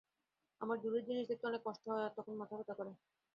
আমার দূরের জিনিস দেখতে অনেক কষ্ট হয় আর তখন মাথা ব্যথা করে।